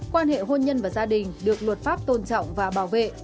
quan hệ hôn nhân và gia đình được luật pháp tôn trọng và bảo vệ